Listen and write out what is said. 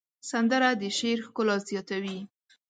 سندره د شعر ښکلا زیاتوي